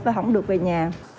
và không được về nhà